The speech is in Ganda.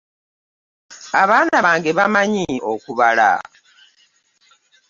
Abaana bange bamanyi okubala.